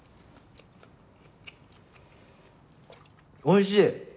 おいしい！